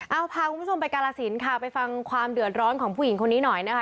เอาพาคุณผู้ชมไปกาลสินค่ะไปฟังความเดือดร้อนของผู้หญิงคนนี้หน่อยนะคะ